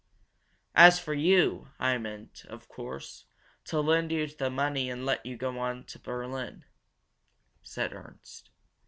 "As for you, I meant, of course, to lend you the money and let you go on to Berlin," said Ernst.